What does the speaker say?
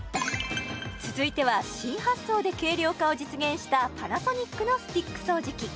続いては新発想で軽量化を実現したパナソニックのスティック掃除機